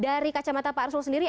dari kacamata pak arsul sendiri